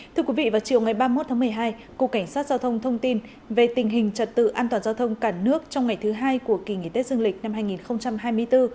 thưa quý vị vào chiều ngày ba mươi một tháng một mươi hai cục cảnh sát giao thông thông tin về tình hình trật tự an toàn giao thông cả nước trong ngày thứ hai của kỳ nghỉ tết dương lịch năm hai nghìn hai mươi bốn